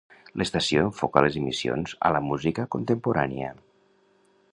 L'estació enfoca les emissions a la música contemporània.